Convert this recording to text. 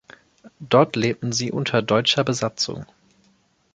Dort lebten sie unter deutscher Besatzung.